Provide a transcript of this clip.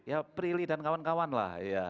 ya prilly dan kawan kawan lah